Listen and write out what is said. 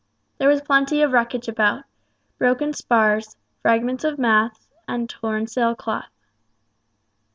There was plenty of wreckage about broken spars, fragments of masts and torn sail cloth.